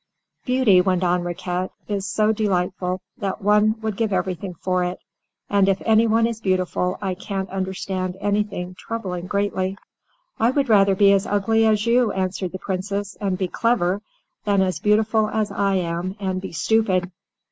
"Beauty," went on Riquet, "is so delightful that one would give everything for it, and if anyone is beautiful I can't understand anything troubling greatly." "I would rather be as ugly as you," answered the Princess, "and be clever, than as beautiful as I am, and be stupid."